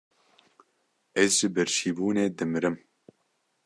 Ez ji birçîbûnê dimirim!